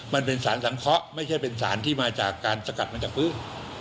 มันเป็นสารสังเคราะห์ไม่ใช่เป็นสารที่มาจากการสกัดมาจากพื้น